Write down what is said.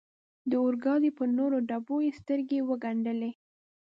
د اورګاډي پر نورو ډبو یې سترګې و ګنډلې.